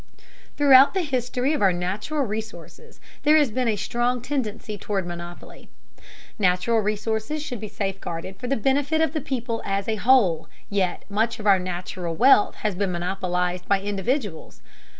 Throughout the history of our natural resources there has been a strong tendency toward monopoly. Natural resources should be safeguarded for the benefit of the people as a whole, yet much of our natural wealth has been monopolized by individuals.